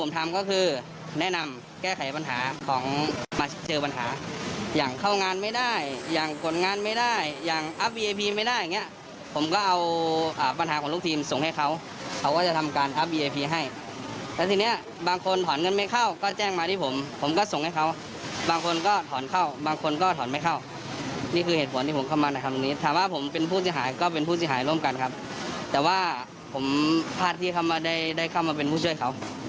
แต่ว่าผมพาดที่เข้ามาได้เข้ามาเป็นผู้ช่วยเขา